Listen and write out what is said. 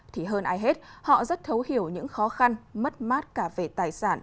thì hơn ai hết họ rất thấu hiểu những khó khăn mất mát cả về tài sản